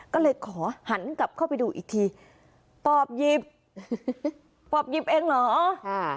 ก็เลยขอหันกลับเข้าไปดูอีกทีตอบหยิบปอบหยิบเองเหรออ่า